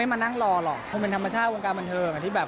มานั่งรอหรอกคงเป็นธรรมชาติวงการบันเทิงที่แบบ